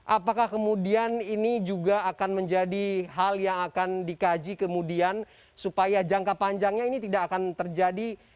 apakah kemudian ini juga akan menjadi hal yang akan dikaji kemudian supaya jangka panjangnya ini tidak akan terjadi